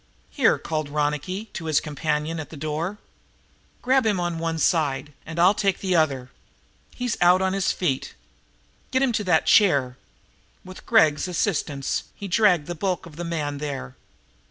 "Here!" called Ronicky to his companion at the door. "Grab him on one side, and I'll take the other. He's out on his feet. Get him to that chair." With Gregg's assistance he dragged the bulk of the man there.